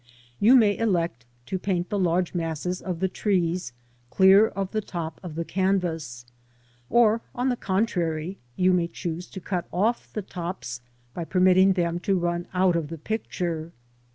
You may elect to paint the large masses of the trees clear of the top of the canvas, or, on the contrary, you may choose to cut off the tops by permitting them to run out of the picture.